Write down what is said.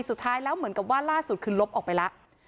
สุดท้ายแล้วเหมือนกับว่าล่าสุดคือลบออกไปแล้ว